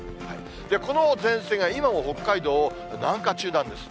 この前線が今も北海道を南下中なんです。